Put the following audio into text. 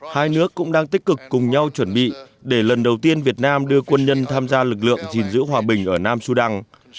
hai nước cũng đang tích cực cùng nhau chuẩn bị để lần đầu tiên việt nam đưa quân nhân tham gia lực lượng gìn giữ hòa bình ở nam sudan